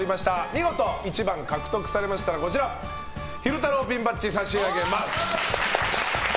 見事１番獲得されましたら昼太郎ピンバッジ差し上げます。